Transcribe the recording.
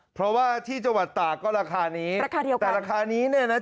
เพราะที่จวัตรตาคระดับนี้แต่ราคานี้เจ็บปวดราคาเดียวกัน